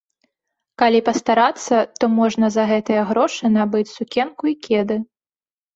Калі пастарацца, то можна за гэтыя грошы набыць сукенку і кеды.